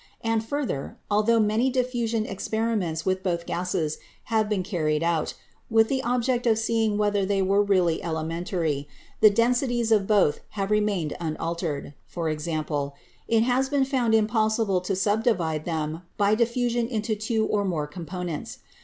And, further, altho many diffusion experiments with both gases have been carried out, with the object of seeing whether they were really elementary, the densities of both have remained unaltered — i.e., it has been found impossible to subdivide them by diffusion into two or more components.